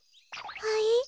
はい？